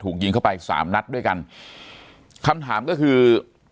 ยิงเข้าไปสามนัดด้วยกันคำถามก็คือ